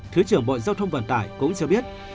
thứ trưởng bộ giao thông vận tải cũng cho biết